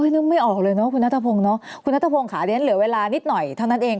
นึกไม่ออกเลยเนาะคุณนัทพงศ์เนาะคุณนัทพงศ์ค่ะเรียนเหลือเวลานิดหน่อยเท่านั้นเอง